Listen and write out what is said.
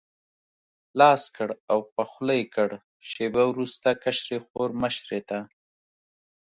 لاس کړ او په خوله یې کړ، شېبه وروسته کشرې خور مشرې ته.